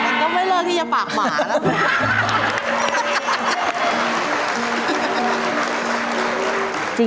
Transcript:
ก็ไม่เลิกที่จะปากหมาแล้ว